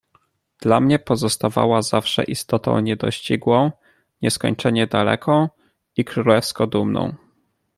"Dla mnie pozostawała zawsze istotą niedościgłą, nieskończenie daleką, i królewsko dumną."